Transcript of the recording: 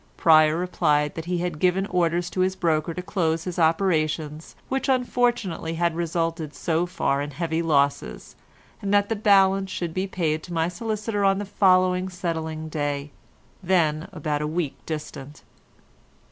Pryer replied that he had given orders to his broker to close his operations, which unfortunately had resulted so far in heavy loss, and that the balance should be paid to my solicitor on the following settling day, then about a week distant.